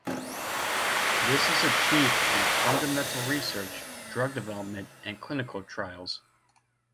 This is achieved through fundamental research, drug development and clinical trials.